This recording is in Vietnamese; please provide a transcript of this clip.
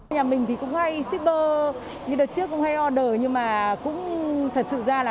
nhà mình thì cũng hay shipper như đợt trước cũng hay order nhưng mà cũng hay tiêm vaccine cho gia đình